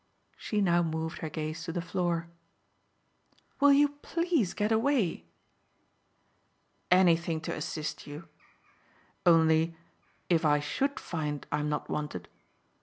She now moved her gaze to the floor. "Will you PLEASE get away?" "Anything to assist you. Only, if I SHOULD find I'm not wanted